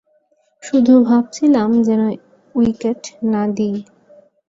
শুধু ভাবছিলাম, যেন উইকেট না দিই।